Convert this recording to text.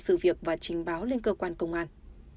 sự việc và trình báo lên cơ quan công an